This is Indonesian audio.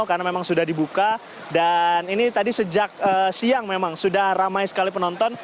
karena memang sudah dibuka dan ini tadi sejak siang memang sudah ramai sekali penonton